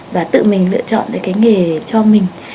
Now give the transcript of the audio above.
và tự mình lựa chọn cái nghề cho mình